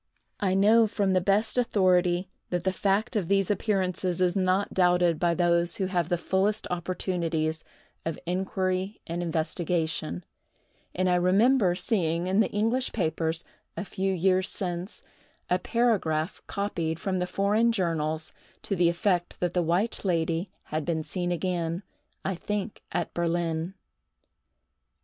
I know from the best authority that the fact of these appearances is not doubted by those who have the fullest opportunities of inquiry and investigation; and I remember seeing in the English papers, a few years since, a paragraph copied from the foreign journals, to the effect that the White Lady had been seen again, I think at Berlin.